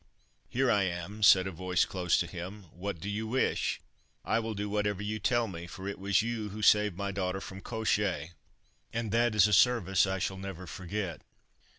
"Here I am," said a voice close to him. "What do you wish? I will do whatever you tell me, for it was you who saved my daughter from Koshchei, and that is a service I shall never forget."